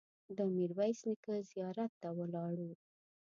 د میرویس نیکه زیارت ته ولاړو.